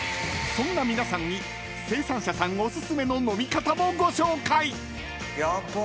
［そんな皆さんに生産者さんお薦めの飲み方もご紹介！］